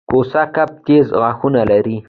کوسه کب تېز غاښونه لري